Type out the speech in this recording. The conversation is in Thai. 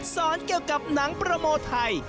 สอนเกี่ยวกับหนังโปรโมไทย